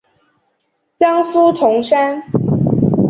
江苏铜山。